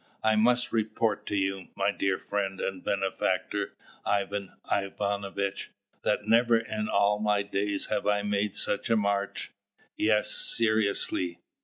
"I must report to you, my dear friend and benefactor, Ivan Ivanovitch, that never in all my days have I made such a march. Yes, seriously.